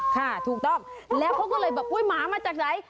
ถูกต้องแล้วเขาก็เลยแบบอุ๊ยหมามาจากไหน